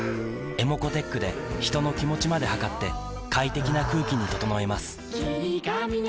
ｅｍｏｃｏーｔｅｃｈで人の気持ちまで測って快適な空気に整えます